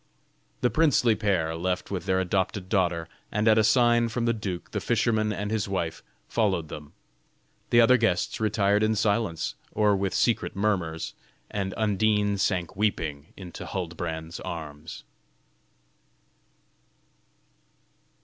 The princely pair left with their adopted daughter; and at a sign from the duke, the fisherman and his wife followed them. The other guests retired in silence or with secret murmurs, and Undine sank weeping into Huldbrand's arms.